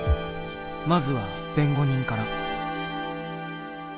まずは弁護人から。